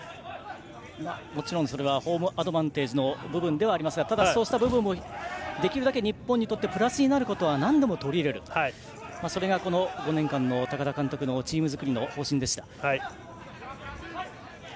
もちろんそれはホームアドバンテージの部分ではありますがただ、そうした部分も日本にプラスになることはなんでも取り入れるそれが５年間の高田監督のチーム作りの方針でした。